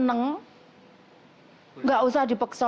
tapi enggak perlu takut kalau kita kerja baik masyarakat itu pasti senang